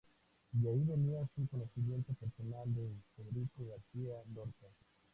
De ahí venía su conocimiento personal de Federico García Lorca.